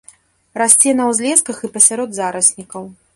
Расце на ўзлесках і пасярод зараснікаў.